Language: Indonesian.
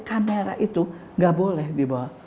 kamera itu nggak boleh dibawa